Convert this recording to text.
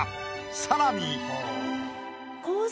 さらに。